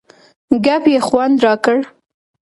ګپ یې خوند را کړ.